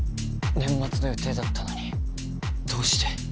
年末の予定だったのにどうして。